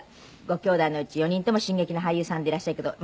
ごきょうだいのうち４人とも新劇の俳優さんでいらっしゃるけど。